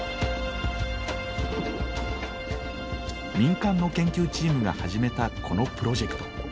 民間の研究チームが始めたこのプロジェクト。